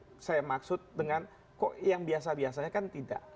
itu saya maksud dengan kok yang biasa biasanya kan tidak